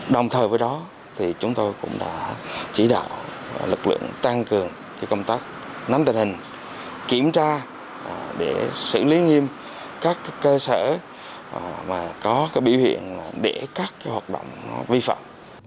đồng thời với đó thì chúng tôi cũng đã chỉ đạo lực lượng tăng cường công tác nắm tình hình kiểm tra để xử lý nghiêm các cơ sở mà có biểu hiện để các hoạt động vi phạm